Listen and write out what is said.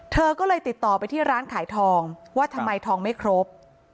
เธอก็เลยติดต่อไปที่ร้านขายทองว่าทำไมทองไม่ครบ